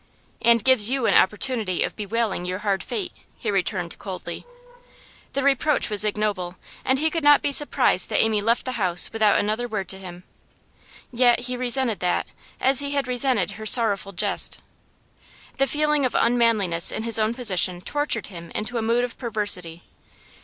'And gives you an opportunity of bewailing your hard fate,' he returned coldly. The reproach was ignoble, and he could not be surprised that Amy left the house without another word to him. Yet he resented that, as he had resented her sorrowful jest. The feeling of unmanliness in his own position tortured him into a mood of perversity.